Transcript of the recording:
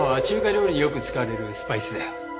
中華料理によく使われるスパイスだよ。